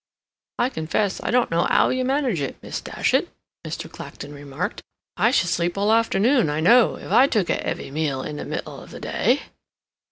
"I confess I don't know how you manage it, Miss Datchet," Mr. Clacton remarked. "I should sleep all the afternoon, I know, if I took a heavy meal in the middle of the day."